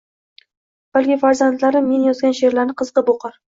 Balki farzandlarim men yozgan she’rlarni qiziqib o‘qir.